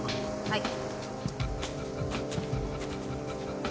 はい。